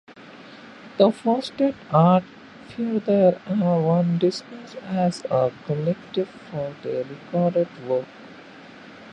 "Two Fisted Art" featured one disc as a collection of their recorded work.